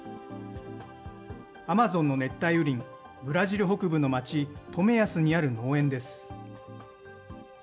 アマゾンの熱帯雨林、ブラジル北部の町、トメアスにある農園です。